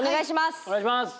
お願いします！